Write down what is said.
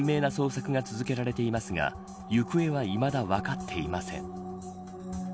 懸命な捜索が続けられていますが行方はいまだ分かっていません。